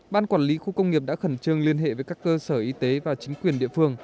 ban quản lý khu công nghiệp đã khẩn trương liên hệ với các cơ sở y tế và chính quyền địa phương